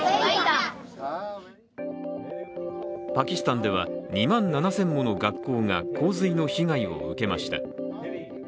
パキスタンでは２万７０００もの学校が洪水の被害を受けました。